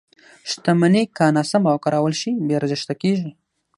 • شتمني که ناسمه وکارول شي، بې ارزښته کېږي.